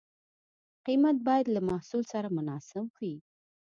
قیمت باید له محصول سره مناسب وي.